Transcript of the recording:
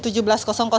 ya selamat malam tiffany